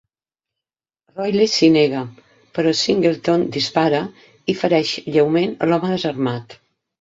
Royle s'hi nega, però Singleton dispara i fereix lleument l'home desarmat.